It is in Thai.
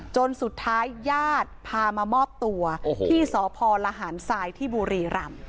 จนสุดท้ายญาติพามามอบตัวที่สพลหารทรายที่บุรีรำ